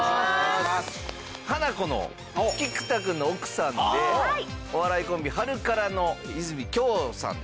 ハナコの菊田くんの奥さんでお笑いコンビハルカラの和泉杏さんですね。